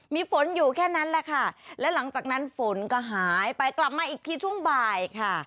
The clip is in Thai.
มีฝนอยู่แค่นั้นแหละค่ะและหลังจากนั้นฝนก็หายไปกลับมาอีกทีช่วงบ่ายค่ะ